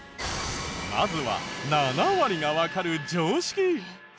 まずは７割がわかる常識。